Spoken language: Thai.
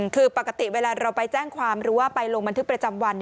คือปกติเวลาเราไปแจ้งความหรือว่าไปลงบันทึกประจำวัน